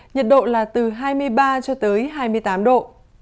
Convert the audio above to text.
nhiệt độ là từ hai mươi ba cho tới hai mươi tám độ